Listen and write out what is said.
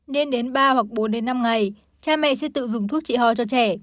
nên đến ba bốn năm ngày cha mẹ sẽ tự dùng thuốc trị hò cho trẻ